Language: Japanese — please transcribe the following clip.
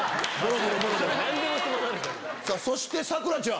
そしてさくらちゃん